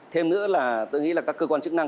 thêm nữa là tôi nghĩ là các cơ quan chức năng